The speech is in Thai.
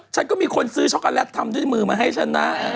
ฉันก็มีคนซื้อช็อกโกแลตทำด้วยมือมาให้ฉันนะ